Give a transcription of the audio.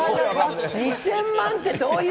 ２０００万って、どういう。